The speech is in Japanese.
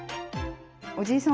おじいさん